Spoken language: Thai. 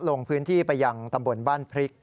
ลงพื้นที่ไปยังตำบลบ้านพริก